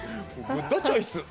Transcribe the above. グッドチョイス。